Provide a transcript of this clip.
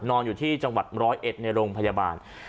นอนอยู่ที่จังหวัดร้อยเอ็ดในโรงพยาบาล